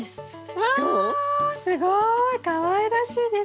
わこれはすごくかわいらしいです。